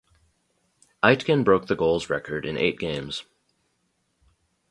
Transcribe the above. Aitken broke the goals record in eight games.